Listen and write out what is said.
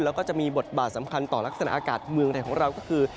แล้วก็จะมีบทบาทสำคัญต่อลักษณะอากาศเมืองไทยของเราก็คือ